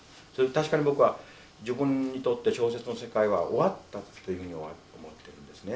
確かに僕は自分にとって小説の世界は終わったっていうのは思ってるんですね。